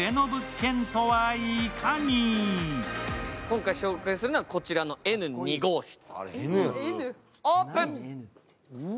今回紹介するのは、こちらのＮ２号室。